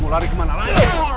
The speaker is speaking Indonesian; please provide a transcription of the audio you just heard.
mau lari kemana lagi